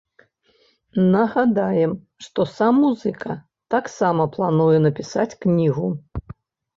Нагадаем, што сам музыка таксама плануе напісаць кнігу.